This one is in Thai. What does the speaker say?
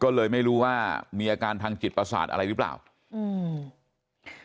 ก็เลยไม่รู้ว่ามีอาการทางจิตประสาทอะไรหรือเปล่าอืม